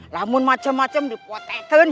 lamun macem macem dipotekan